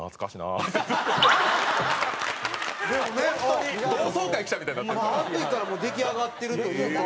あの時からもう出来上がってるというか。